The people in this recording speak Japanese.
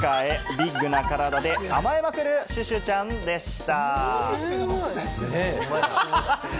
ビッグな体で甘えまくる、シュシュちゃんでした。